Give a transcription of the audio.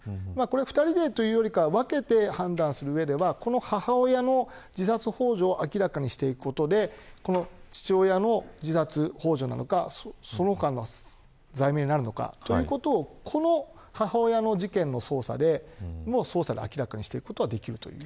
２人でというより分けて判断する上でこの、母親の自殺ほう助を明らかにすることで父親の自殺ほう助なのかその他の罪名になるのかということをこの母親の事件の捜査で明らかにしていくことができる。